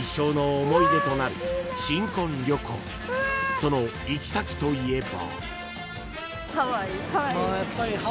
［その行き先といえば］